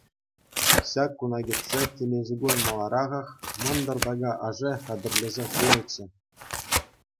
Ҫак куна кӗтсе, темиҫе кун маларахах мӑнтӑр така ашӗ хатӗрлесе хунӑччӗ.